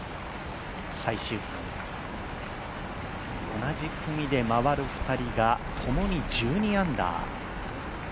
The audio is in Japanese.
最終組、同じ組で回る２人がともに１２アンダー。